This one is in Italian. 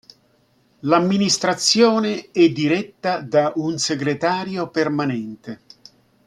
L'amministrazione è diretta da un segretario permanente.